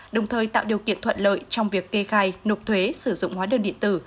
đồng thời tạo điều kiện thuận lợi trong việc kê khai nộp thuế sử dụng hóa đơn điện tử